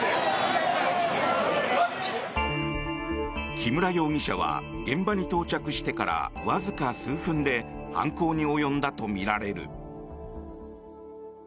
木村容疑者は現場に到着してからわずか数分で犯行に及んだとみられる。